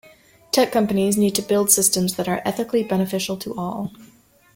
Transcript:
Tech companies need to build systems that are ethically beneficial to all.